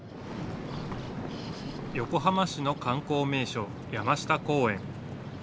横浜市の観光名所、山下公園。